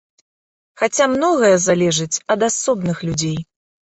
Хаця многае залежыць ад асобных людзей.